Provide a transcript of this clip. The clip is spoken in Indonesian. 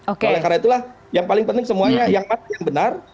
oleh karena itulah yang paling penting semuanya yang mana yang benar